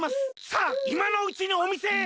『さあいまのうちにおみせへ！』